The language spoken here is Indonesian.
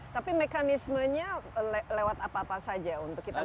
tapi mekanismenya lewat apa apa saja untuk kita